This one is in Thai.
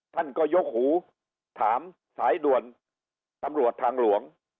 ท่านก็ยกหูถามสายด่วนตำรวจทางหลวง